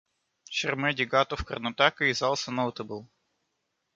Charmadi Ghat of Karnataka is also notable.